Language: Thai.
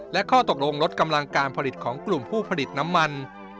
และข้อตกลงลดกำลังการผลิตของกลุ่มผู้ผลิตน้ำมัน